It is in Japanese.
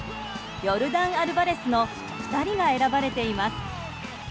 ヨルダン・アルバレスの２人が選ばれています。